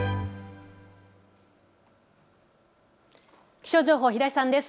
気象情報、平井さんです。